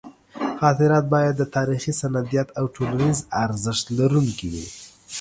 خاطرات باید د تاریخي سندیت او ټولنیز ارزښت لرونکي وي.